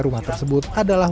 rumah tersebut adalah